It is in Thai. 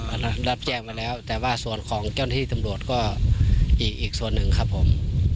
บอกสั้นแค่ว่าอาการปลอดภัยแล้วแต่ว่ายังต้องอยู่โรงพยาบาล